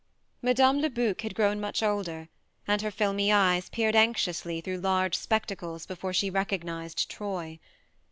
Mme. Lebuc had grown much older, and her filmy eyes peered anxiously through large spectacles before she recognized Troy.